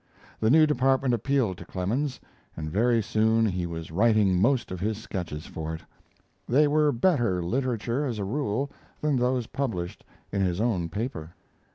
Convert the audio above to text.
The new department appealed to Clemens, and very soon he was writing most of his sketches for it. They were better literature, as a rule, than those published in his own paper.